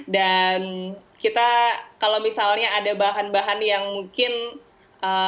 dan kita kalau misalnya ada bahan bahan yang mungkin nggak ada gitu ya kita bisa diganti yang lain